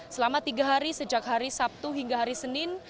selama tiga hari sejak hari sabtu hingga hari senin